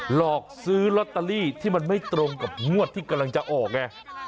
หลอกซื้อลอตเตอรี่ที่มันไม่ตรงกับงวดที่กำลังจะออกไง